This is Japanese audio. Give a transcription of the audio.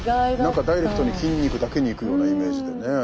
何かダイレクトに筋肉だけにいくようなイメージでね。